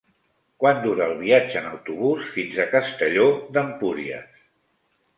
Quant dura el viatge en autobús fins a Castelló d'Empúries?